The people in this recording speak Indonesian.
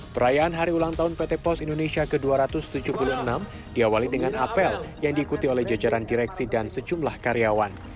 perayaan hari ulang tahun pt pos indonesia ke dua ratus tujuh puluh enam diawali dengan apel yang diikuti oleh jajaran direksi dan sejumlah karyawan